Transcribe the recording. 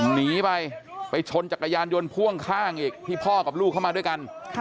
หนีไปไปชนจักรยานยนต์พ่วงข้างอีกที่พ่อกับลูกเข้ามาด้วยกัน